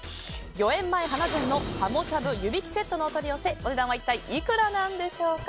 御苑前花膳のはもしゃぶ、湯引きセットのお取り寄せ、お値段は一体いくらでしょうか。